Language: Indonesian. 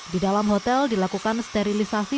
di dalam hotel dilakukan sterilisasi